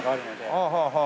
はあはあはあはあ。